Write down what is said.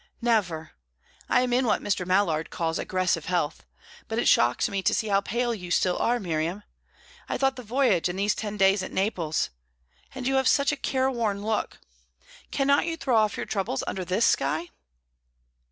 "Never. I am in what Mr. Mallard calls aggressive health. But it shocks me to see how pale you still are Miriam. I thought the voyage and these ten days at Naples And you have such a careworn look. Cannot you throw off your troubles under this sky?"